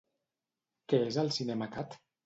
Què és el Cinemacat?